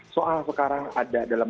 soal sekarang ada dalam